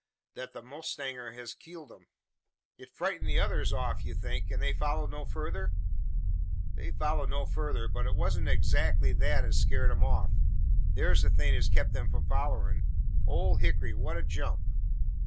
"That the mowstanger hes killed him." "It frightened the others off, you think, and they followed no further?" "They follered no further; but it wa'n't adzackly thet as scared 'em off. Thur's the thing as kep them from follerin'. Ole Hickory, what a jump!"